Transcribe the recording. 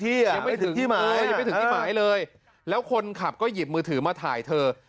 ยังไม่ถึงที่หมายเลยแล้วคนขับก็หยิบมือถือมาถ่ายเธอ